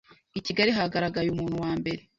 i Kigali hagaragaye umuntu wa mbere